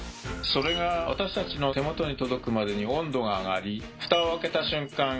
それが私たちの手元に届くまでに温度が上がりフタを開けた瞬間